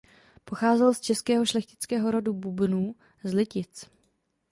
Pocházel z českého šlechtického rodu Bubnů z Litic.